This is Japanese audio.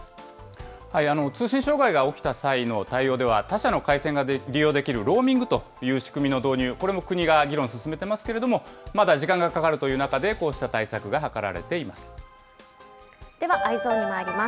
通信障害が起きた際の対応では、他社の回線が利用できるローミングという仕組みの導入、これも国が議論進めてますけれども、まだ時間がかかるという中で、ではＥｙｅｓｏｎにまいります。